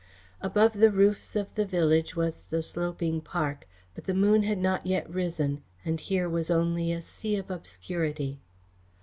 Above the roofs of the village was the sloping park, but the moon had not yet risen and here was only a sea of obscurity.